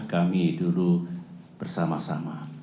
kami dulu bersama sama